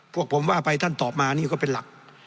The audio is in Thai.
พวกผมว่าไปท่านตอบมานี่ก็เป็นหลัก